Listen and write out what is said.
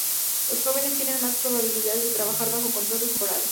Los jóvenes tienen más probabilidades de trabajar bajo contratos temporales.